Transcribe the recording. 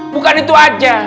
bukan itu aja